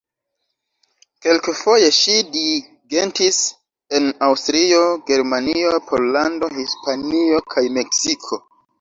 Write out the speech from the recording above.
Kelkfoje ŝi dirigentis en Aŭstrio, Germanio, Pollando, Hispanio, kaj Meksiko.